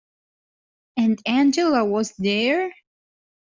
And Angela was there?